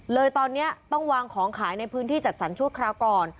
เลยตอนนี้ต้องวางของขายในพื้นที่จัดสรรชั่วคราวก่อน